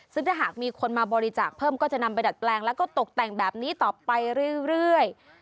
ซึ่งถ้าหากมีคนมาบริจาคเพิ่มก็จะนำไปดัดแปลงแล้วก็ตกแต่งแบบนี้ต่อไปเรื่อย